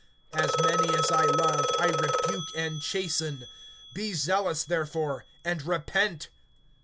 (19)As many as I love, I rebuke and chasten. Be zealous therefore, and repent.